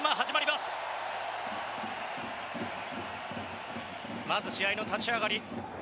まず試合の立ち上がり。